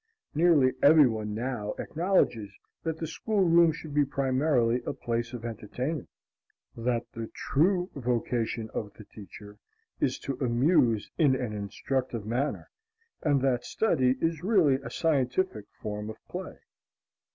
Nearly every one now acknowledges that the school room should be primarily a place of entertainment, that the true vocation of the teacher is to amuse in an instructive manner, and that study is really a scientific form of play.